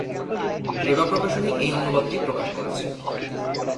সেবা প্রকাশনী এই অনুবাদটি প্রকাশ করেছে।